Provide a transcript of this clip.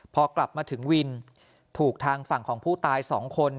พอกลับมาถึงวินถูกทางฝั่งของผู้ตาย๒คน